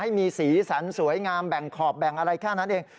ให้มีสีสันสวยงามแบ่งขอบแบ่งอะไรแค่นั้นเอง